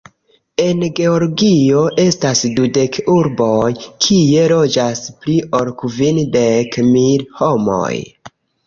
En Georgio estas dudek urboj, kie loĝas pli ol kvindek mil homoj.